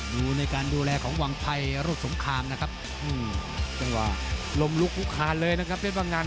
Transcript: ดูในการดูแลของหวังไพรรถสมคารนะครับ